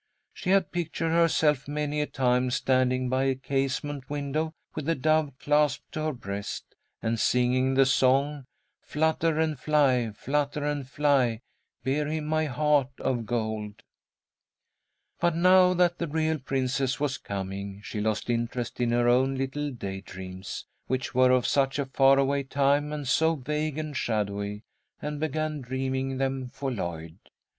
She had pictured herself many a time, standing by a casement window with a dove clasped to her breast, and singing the song, "Flutter, and fly, flutter, and fly, bear him my heart of gold." But now that the real princess was coming, she lost interest in her own little day dreams, which were of such a far away time and so vague and shadowy, and began dreaming them for Lloyd.